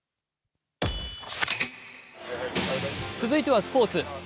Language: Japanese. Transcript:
続いてはスポーツ。